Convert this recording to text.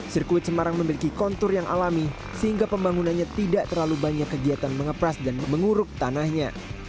sirkuit semarang memiliki kontur yang alami sehingga pembangunannya tidak terlalu banyak kegiatan mengepras dan menguruk tanahnya